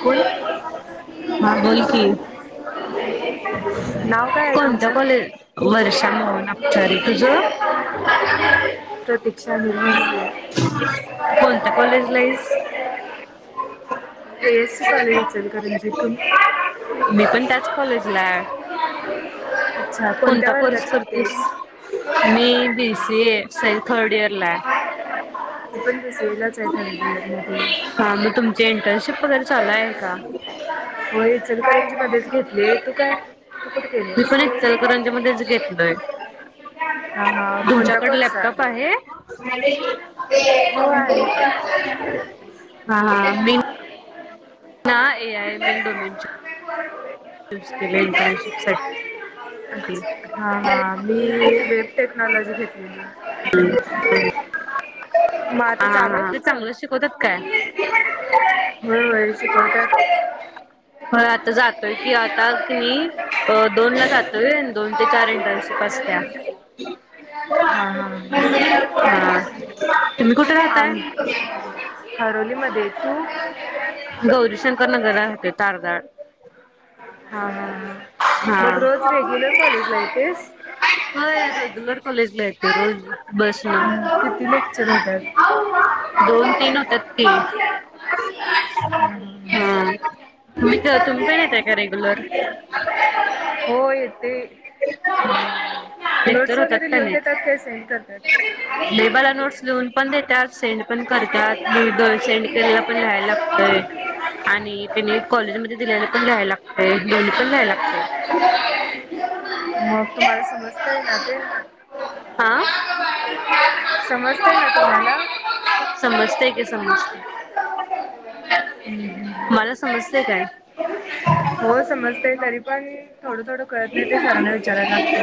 फूल हा बोल की नाव काय आहे कोणतं तुमचं कॉलेज वर्षा मोहन अबचारी तुझं प्रतीक्षा [inaudible] लईच A A C college Ichalkaranji तुम्ही मी पण त्याच कॉलेजला आहे अच्छा कोणता कोणत्या कोर्स वर्गाची करतेस शिकतेस मी बी सी ए साई थर्ड इयर ला आहे पण तसलाच आहे हा मग तुमची इंटर्नशिप वगैरे चालू आहे का होय इचलकरंजीमध्येच घेतले तू काय कुठ गेल्यास पण इचलकरंजी मध्येच घेतलोय हा हा कोणता तुमच्याकडे कोर्स लॅपटॉप आहे हो आहे हा हा मी ना आहे ए आय मिल्डोमनच [inaudible] इंटर्नशिप साठी हा हा मी वेब टेक्नॉलॉजी घेतलेली मग आता हा चालू आहे हा ते तुमचं चांगलं शिकवत्यात काय होय होय शिकवत्यात होय आता जातोय की आता कणी दोन ला जात दोन ते चार इंटर्नशिप असत्या हा हा हा तुम्ही कुठे आम राहताय हरोलीमध्ये तू गौरी शंकर नगरला राहते तारदाळ हा हा हा मग रोज रेग्युलर कॉलेज ला येतीस होय रेग्युलर कॉलेज ला येते रोज बस न हम्म, किती लेक्चर होतात दोन तीन होत्यात ते हू तुम्ही तर तुम्ही पण येताय काय रेग्युलर हो येते लेक्चर नोट्स होतात वगैरे लिहून देतात काय सेंड करतात. लेबाला नोट्स लिहून पण देतात सेंड पण करतात सेंड केलेला पण लियला लागतय. आणि पनी कॉलेजमध्येध्ये दिल्यायला पण लियला लागतय दोन्ही पण ल्यायला लागते. मग तुम्हाला समजता ये ना ते. हा समजतय ना तुम्हाला. समजतय की समजतय. हम् हम.... मला समजतंय काय हो समजतय तरी पण...... थोडं थोडं कळत नाही ते सरांना विचारायला लागते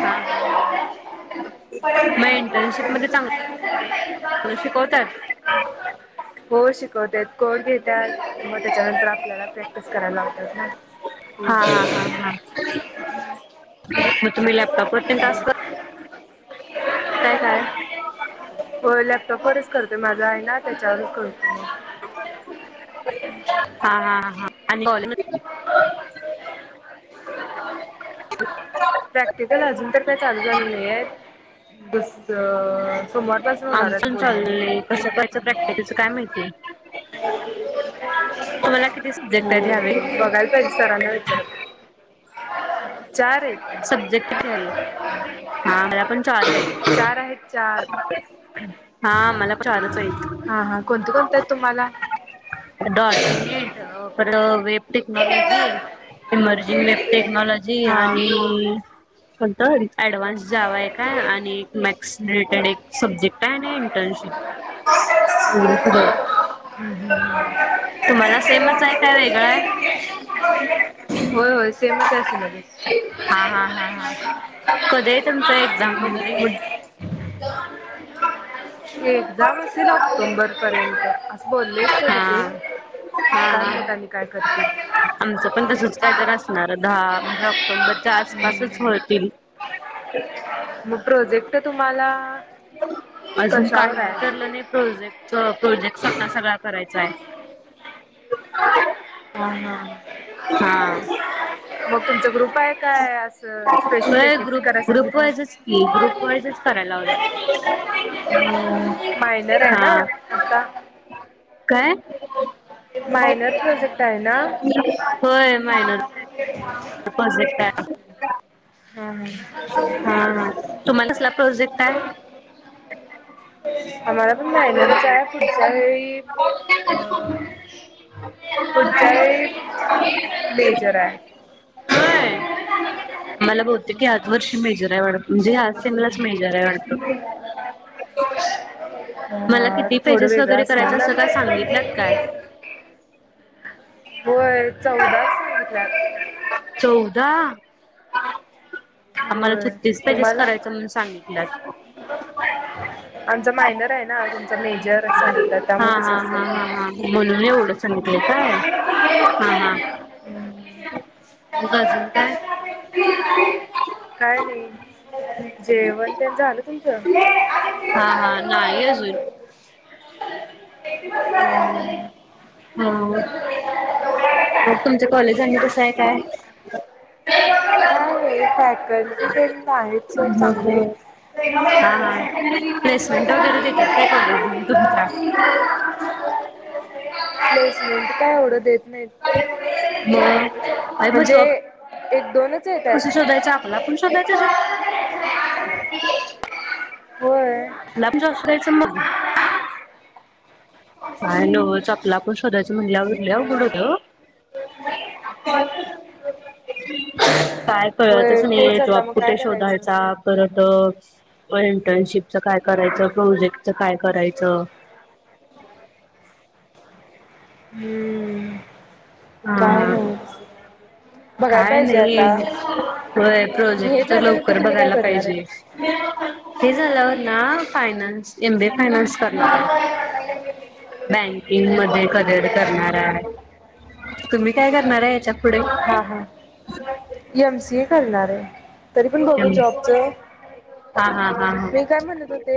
हा हा हा मग पण [unintelligible] शिकवत्यात? हो शिकवत्यात कोड घेत्यात मग त्याच्यानंतर आपल्याला प्रॅक्टिस करायला लावतात ना. हा हा हो हा हा मग तुम्ही [unintelligible] लॅपटॉपवर तेन टास्क करताय काय होय लॅपटॉपवरच करतोय माझा आहे ना त्याच्यावरच करतो. मग हा हा हा आणि कॉलेज म प्रॅक्टिकल अजून तर काय चालू झालं नाही आहेत. दुस सोमारलास [inaudible] आमचून चाल कसं कयच प्रॅक्टिकलच काय माहितीय [inaudible] तुम्हाला किती सब्जेक्ट हो आहेत ह्या वेळी. बघायला पाहिजे सरांना विचारून. चार आहेत. सब्जेक्ट किती आहेत हा मला पण चार आहेत. चार चार हा मला पण चारच हा हा कोणते कोणत आहेत तुम्हाला? डॉटट पर वे [inaudible] टेक्नॉलॉजी इमर्जिंग टेक्नॉलॉजी हा आणि..... त ऍडव्हान्स जावाय का आणि मॅक्स रिटेड एक. सबजेक्ट आहे ना इंटर्नशिप. हम् हम तुम्हाला सेमच आहे काय वेगळां आहे? होय होय सेमच आहे सिलेबस हा हा हा ह कधी आहे तुमच एक्झाम वगैरे? [unintelligible] एक्झाम असेल ऑक्टोंबर पर्यंत असे बोलले तरी हा ते हा काय माहित आणि काय हा करतील आमचं पण तसच काय तर असणार. दहा म्हणजे ऑक्टोबरच्या आसपासच हम्म. होतील. मग प्रोजेक्ट तुम्हाला.... अजून कशावर काहीही आहे ठरलं नाही प्रोजेक्टच प्रोजेक्ट स्वता सगळा करायचा. य [unintelligible] हा हा हा मग तुमच ग्रुप आहे काय असं स्पेशल एकेकटी करायला सांगितले. ग्रुपवाईजच करायला लावलंय. मायनर आहे ना ह आता काय? मायनर प्रोजेक्ट आहे ना? बस [unintelligible] हम्म हम्म. हम्म तुम्हाला कसला प्रोजेक्ट आहे? आम्हाला पण मायनरच आहे पुढच्या वेळी अ पुढच्या वेळी लेझर आहे. होय मला बहुतेक याच वर्षी मेजर आहे वा म्हणजे सिरीयस मेजर आहे वाटतं. मला हा किती थोडं पेजेस वेगळं वगैरे असणार करायचे ना असं काय सांगितलंत काय? [inaudible] होय चौदाच सांगितल्यात आदी. चौदा? आम्हाला होय छत्तीस पेजेस तुम्हाला करायच म्हणून सांगितलंतय. आमच मायनर आहे ना तुमचा मेजर सांगितलं हा त्यामुळे तस हा हा हा असेल. हा म्हणून एवढं सांगितलं का हा हा. [unintelligible] बाजून काय? [inaudible] काय नाही. जेवण तेन झालं तुमचं? [inaudible] हा हा नाही अजून [inaudible] [inaudible] तुमचं कॉलेज आणि कसं हाय काय? [inaudible] ते फॅकल्टी तेन आहेत सोड मग चांगली. हा हा प्लेसमेंट वगैरे देतात काय कॉलेजमधे तुमच्या? [inaudible] प्लेसमेंट काय एवढ देत नाहीत मग अ मग म्हणजे जॉब एक, दोनच येतात. कसं शोधायचं आपला आपण शोधायचा जॉ [unintelligible] होय आपला आपण जॉब शोधायचा मग काय नव्हचं आपलं आपण शोधायचं म्हणल्यावर लय अवघड होतय ओ. [inaudible] काय कळतच होय नाही. तेच आता जॉब मग काय कुठं करायचं. शोधायचा. परत इंटर्नशिपचं काय करायचं? प्रोजेक्टच काय करायचं? हम्म, काय हा नाही होत. काय नाही व्हाय हे प्रोजेक्ट तर झाल्यानंतर लवकर तुम्ही काय बघायला करणार पाहिजे. आहे. ते झाल्यावर ना finance M B A finance करणार हाय. बँकिंग मध्ये करिअर करणार हाय. तुम्ही काय करणार हाय याच्या पुढे? हा हा एम सी ए करणार हाय तरी पण बघू हा जॉबच. हा हा हा मी काय म्हणत होते.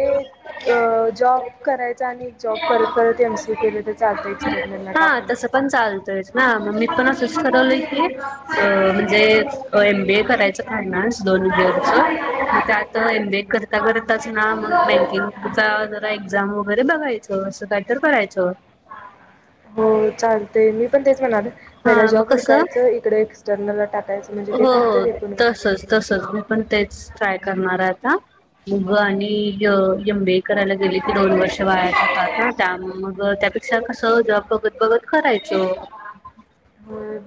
अ जॉब करायचा आणि जॉब करत करत एम सी ए केलं तर चालतय एक्सर्टनल ला हा टाकून तसं पण चालतयचं. ना हो म मी पण असंच ठरवलंय की अ म्हणजे एम बी ए करायच फायनान्स दोन इअरचं म त्यात एम बी ए करता करताच ना म बँकिंग चा जरा एक्झाम वगैरे बघायचं असं कायतर करायचं. होय चालतय मी पण तेच म्हणालोय. हा पहिला मग जॉब कसं उडकायचं इकडं एक्सर्टनल ला टाकायचं म्हणजे हो ते पण होतंय हो ते पण होतंय. तसच तसच मी पण तेच ट्राय करणार हाय आता [unintelligible] आणि एम बी ए करायला गेलेत दोन वर्ष वाया जातात ना त्या मुळे मग त्यापेक्षा कसं जॉब बघत बघत करायचं.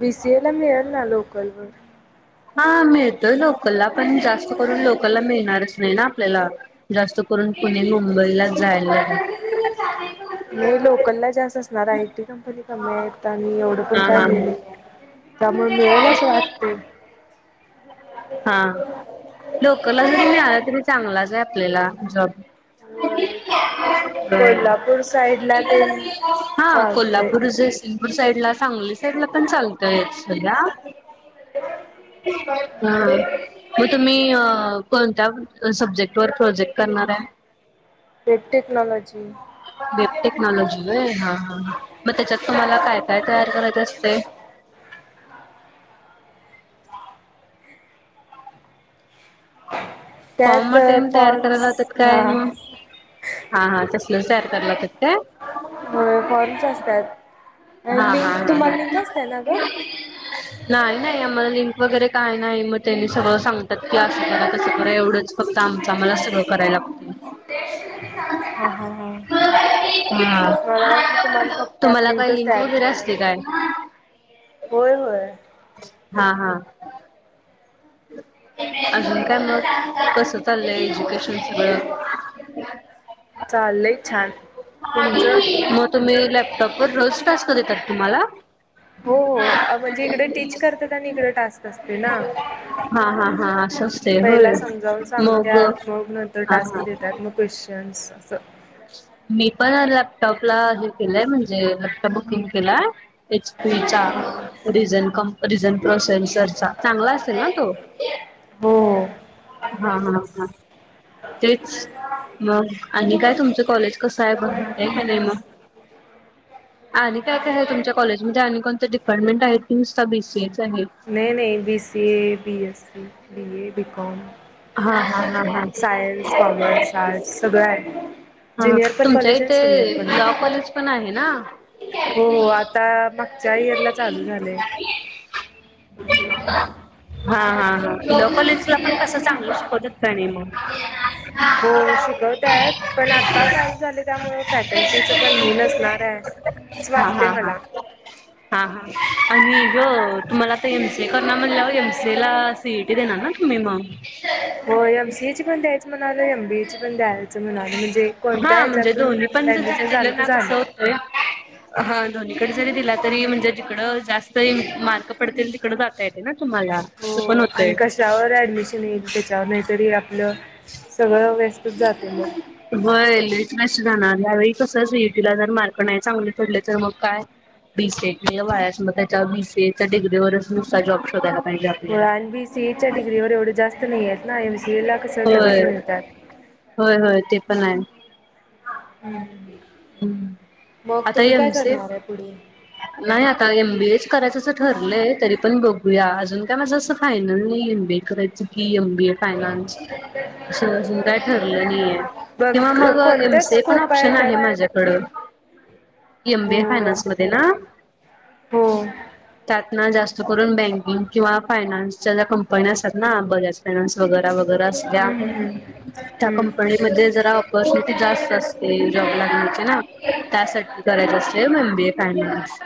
बीसीए ला मिळलं लोकल वर हा मिळतोय लोकलला पण जास्त करून लोकलला मिळणारच नाही ना आपल्याला जास्त करुन पुणे, मुंबईलाच जायला लागेल. नाही लोकल ला जास्त असणार आयटी कंपनी कमी आहेत. इथं आणि एवढं पण हा काय हा नाही त्यामुळं मिळलं असं वाटते हा लोकला जरी मिळाला, तरी चांगलाच हाय आपल्याला जॉब. होय [inaudible] बर कोल्हापूर साईडला ते [inaudible] हा चालतंय कोल्हापूर, जयसिंग पूर साईडला, सांगली साईडला पण चालतय सध्या होय, म तुम्ही अ कोणत्या सब्जेक्ट वर प्रोजेक्ट करणार आहे. Web technology. वेब टेक्नॉलॉजी व्हय हा हा म त्याच्यात तुम्हाला काय काय तयार करायचं असतय? त्यात फॉर्म तेन तयार कराय फॉर्म्स लावत्यात हा काय मग? हा हा तसलचं तयार कराय लावत्यात काय? होय फॉर्म च असत्यात हा आणि हा लिंक हा तुम्हाला हा लिंक असत्या ना ग? नाही नाही आम्हाला लिंक वगैरे काय नाही मग त्यांनी सगळं सांगतात की असं करा तसं करा एवढंच फक्त आमचं आम्हाला सगंळ करायला लागतं. ह मला वाटल तुम्हाला हा फक्त त्यात तुम्हाला काय लिंकच लिंक तयार वगैरे करायला असते काय, लागते. होय होय. हा हा अजून काय मग कसं चाललंय एज्युकेशन सगळं चाललय छान तुमचं मग तुम्ही लॅपटॉप वर रोज टास्क देतात तुम्हाला हो हो म्हणजे इकडे टीच करतात आणि इकडे टास्क असते ना. हा हा हा असं असतंय पहिला होय समजावून मग सांगत मग नंतर हा टास्क हा देतात मग क [unintelligible] मी पण लॅपटॉपला हे केलंय म्हणजे लॅपटॉप बुकिंग केलाय एच पी चा रिझन कम्प रिझन प्रोसेनसर चा चांगला असेल ना तो हो हा हा हा तेच [inaudible] मग आणि काय तुमचं कॉलेज कसं आहे बघ हे नाही मग आणि काय काय आहे तुमच्या कॉलेजमध्ये आणि कोणत डिपार्टमेंट आहे नुसता बी सी ए च आहे. नाही नाही B C A, B S C, B A, BCom. हा हा हा हा सायन्स, कॉमर्स, आर्ट्स सगळं आहे. हा हा ज्युनियर पण तुमच्या कॉलेज आहे, सिनियर पण इथे लॉ आहे. कॉलेज पण आहे ना? हो हो आता मागच्या इयर ला चालू झालंय. ह [inaudible] हा हा हा तुला कॉलेजला पण कस चांगलं शिकवतात का नाही मग हो शिकवतात. आहेत, पण आता चालू झाले त्यामुळे फॅकल्टीच पण लय नसणार आहे. असं हा वाटतंय हा हा. मला. हा हा आणि ग तुम्हाला आता एम स कर ना म्हणलं एम स ला सीट. टी देणार नन तुम्ही मग? हो एमसी ची पण द्यायच म्हणाला एम बीए ची पण द्यायच. म्हणाले म्हणजे कोणत्या हा हच्यातून ऍडमिशन झालं तर झालं. ह. हा दोन्हीकडे जरी दिला तरी म्हणजे जिकडं जास्त मार्क पडतील तिकड जाता येते ना तुम्हाला. हो असं पण आणि होतंय. कशावर ऍडमिशन येईल ते. नाहीतरी आपलं सगळं व्यस्तच जाते मग होय लईच व्यस्त जाणार ह्यावेळेला कसच सी ई टी ला जर मार्क नाही चांगले पडले तर मग काय. बी सेट तर वायाच मग त्याच्या बीसी डग्री वरच नुसता जॉब शोधाय लागणार. व्हय बीसी एच्या डिग्री वर एवढे जास्त नाही आहेत ना एमसी ए ला कसं लगेच होय मिळतात. होय होय ते पण आहे. हम्म हम्म मग आता तुम्ही काय एमसीए करणार आहे पुढे? नाही आता एम बीएच करायचंचं ठरलंय तरी पण बघूया अजून काय माझं असं फायनल नाही एम बीए करायचं. क एम बी ए फायनास. अून अजून काय ठरलं नाही किंवा बघ मग एम कोणत्याच स पण स्कोप ऑप्शन त्यात आहे माझ्याकडे. ड एम हो बे फायनान्स मध्ये ना. हो. त्यात ना जास्त करून बँकिंग किंवा फायनान्सच्या ज्या कंपन्या असतात ना बऱ्याच. फायनान्स वगैर वगैरे असल्या. हम्म त्या हम्म कंपनीमध्ये जरा ऑपॉर्च्युनिटी जास्त असते जॉब लागण्याची ना त्यासाठी. करायचा असते एम बी ए फायनान्स.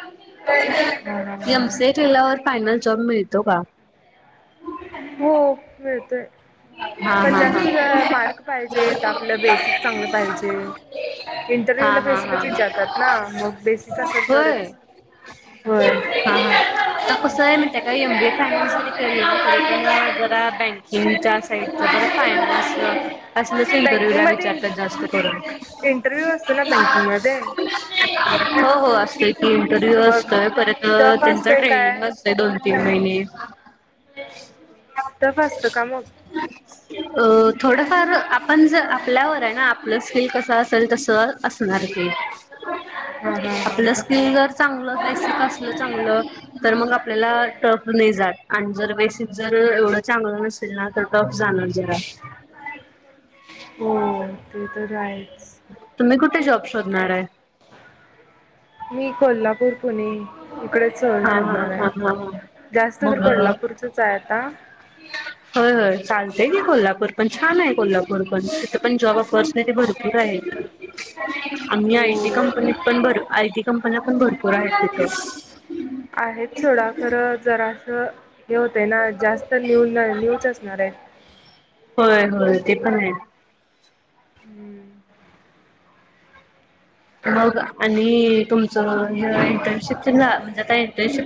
हम्म ते हा केल्यावर फायनल जॉब मिळतो का? हो मिळतोय. हा पण हा जास्त मार्क पाहिजेत आपलं बेसिक चांगलं पाहिजे. हा इंटरव्ह्यू हा ला हा हा बेसिकच विचारतात ना मग बेसिक असेल होय तरच. हो. हा हा आता कसं आहे म्हणते का एम बी ए फानान्सरी केला तरीून जरा बँकिंगच्याचा. फायनान अस इंटरव्ह्य बँकिंग ला मध्ये विचारत जास्त करून. इंटरव्ह्यू असतो ना बँकिंग मध्ये हो हो असते की इंटरव्ह्यू मग असतोय पर. टफ त्यांच असतोय काय ट्रेनिंग असत दोन तीन महिने. तफ असत काम अ थोडफार आपण ज आपल्यावर आहे ना पलसकिल कसं असेल तस असणार हा हा हा आपलं स्किल जर चांगलं बेसिक असलं चांगलं. तर मग आपल्याला टफ नाही जात आणि जर बेसिक जर एवढं चांगलं नसेल ना. तप जाणार जरा. हो ते तर आहेच. तुम्ही कुठे जॉब शोधणार आहे? मी कोल्हापूर पुणे इकडेच सह हा हा हा शोधणार आहे. हा हा जास्त तर मग कोल्हापूरचच आहे आता. होय होय चालतंय की कोल्हापूर पण छान आहे कोल्हापूर पण तिथे पण जॉब ऑपॉर्च्युनिटी भरपूर आहे. [unintelligible] आम्ही आयटी हो कंपनीत पणर आयटी कंपन पण भरपूर आहेत देतो. आहेत सोडा खरं जरासं हे होतंय ना जास्त न्यू- न्यूच असणार आय. होय होय ते पण आय. हम्म. मग आणि तुमचं इंटर्नशिप म्हणजे आता इंटर्नशिप